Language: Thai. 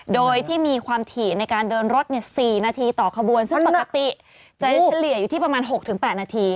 โดยที่มีความถี่ในการเดินรถ๔นาทีต่อขบวนซึ่งปกติจะเฉลี่ยอยู่ที่ประมาณ๖๘นาที